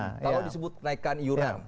kalau disebut naikan yuran